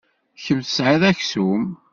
Kemm tesɛid aksum.